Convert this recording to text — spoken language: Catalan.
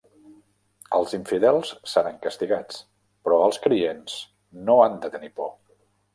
Els infidels seran castigats, però els creients no han de tenir por.